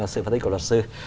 sự phân tích của luật sư